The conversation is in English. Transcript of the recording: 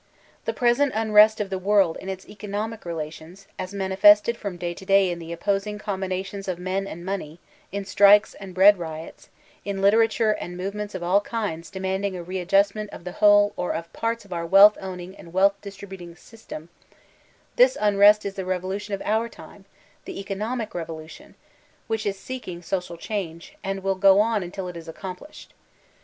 The present unrest of the world m its economic rebtions, as manifested from day to day in the opposing combinations of men and money, in strikes and bread riots, in literature and movements of all kinds demanding a readjustment of the whole or of parts of our wealth owning and wealth dia The Mexican Revolution 255 tribttting system, — ^this unrest is the revolution of our time, the economic revolution, which is seeking social change, and will go on until it is accomplished.